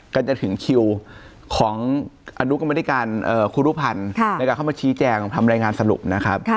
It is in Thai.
กันจะถึงคิวของอนุกรรมนิการครูรุภัณฑ์ในการเข้ามาชี้แจงทำรายงานสรุปนะครับ